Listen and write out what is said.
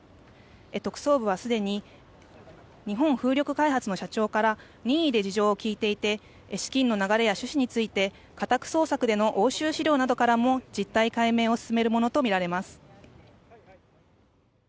特捜部はすでに日本風力開発の社長から任意で事情を聴いていて資金の流れや趣旨について家宅捜索での押収資料などからも実態解明を進めるものとみられます。